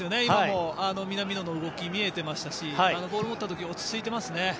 今も南野の動き見えていましたしボールを持った時落ち着いていますね。